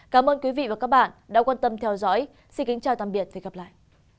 cảm ơn quý vị và các bạn đã quan tâm theo dõi xin kính chào tạm biệt và hẹn gặp lại